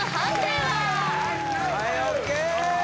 はいＯＫ！